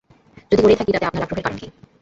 যদি করেই থাকি তাতে আপনার আগ্রহের কারণ কি?